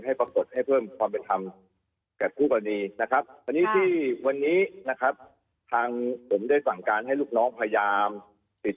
จะต้องทำการกัดส่วนให้ประสด